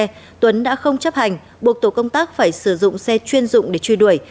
tuấn đã không chấp hành buộc tổ công tác phải sử dụng xe chuyên dụng để truy đuổi